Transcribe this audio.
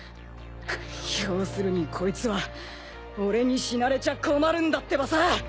要するにコイツは俺に死なれちゃ困るんだってばさ。